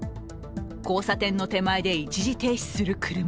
交差点の手前で一時停止する車。